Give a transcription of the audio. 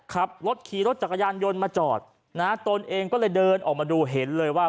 ขับรถขี่รถจักรยานยนต์มาจอดนะฮะตนเองก็เลยเดินออกมาดูเห็นเลยว่า